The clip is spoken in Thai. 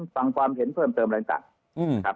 ฟังความเห็นเพิ่มเติมอะไรต่างครับ